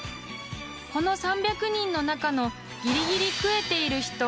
［この３００人の中のギリギリ食えている人］